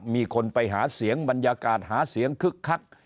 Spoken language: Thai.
มีคนไปหาเสียงบรรยากาศหาเสียงคึกคัก